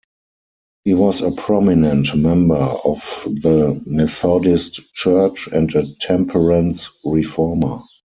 He was a prominent member of the Methodist Church and a temperance reformer.